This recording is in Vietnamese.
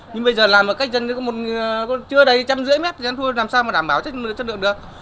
nhưng bây giờ làm ở cách dân chưa đầy một trăm năm mươi m thì làm sao mà đảm bảo chất lượng được